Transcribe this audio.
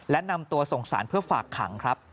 และนำตัวส่งสารเพื่อฝากขังครับ